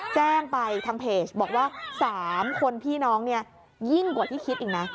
แจ้งไปทางเพจบอกว่า๓คนพี่น้องเนี่ยยิ่งกว่าที่คิดอีกนะ